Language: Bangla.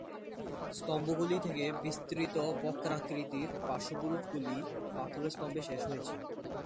স্তম্ভগুলি থেকে বিস্তৃত বক্রাকৃতির পার্শ্ববুরুজগুলি পাথরের স্তম্ভে শেষ হয়েছে।